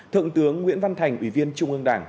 thượng tướng nguyễn văn thành ủy viên trung ương đảng